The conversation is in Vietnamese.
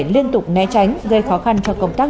liên tục né tránh gây khó khăn cho công tác